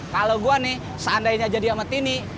kalau gua nih seandainya jadi amat ini